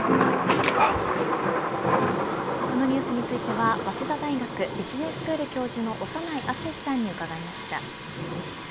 このニュースについては早稲田大学ビジネススクール教授の長内厚さんに伺いました。